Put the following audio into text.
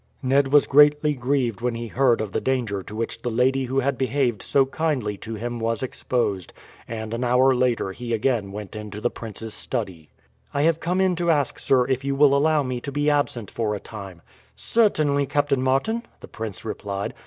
Ned was greatly grieved when he heard of the danger to which the lady who had behaved so kindly to him was exposed, and an hour later he again went into the prince's study. "I have come in to ask, sir, if you will allow me to be absent for a time?" "Certainly, Captain Martin," the prince replied.